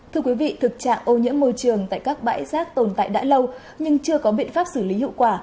thưa quý vị thực trạng ô nhiễm môi trường tại các bãi rác tồn tại đã lâu nhưng chưa có biện pháp xử lý hiệu quả